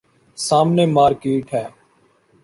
سامنے مارکیٹ ہے۔